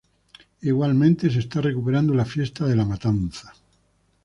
Igualmente se está recuperando la fiesta de "La Matanza"